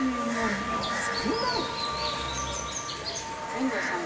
遠藤さん